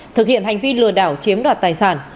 thực hiện hành vi lừa đảo chiếm đoạt tài sản